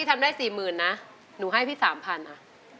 แค่๔๐๐๐๐นะหนูให้พี่๓๐๐๐นะ